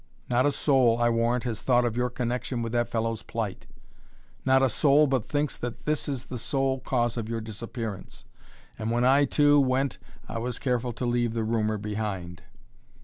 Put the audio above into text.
Not a soul, I warrant, has thought of your connection with that fellow's plight. Not a soul but thinks that this is the sole cause of your disappearance. And when I, too, went I was careful to leave the rumor behind."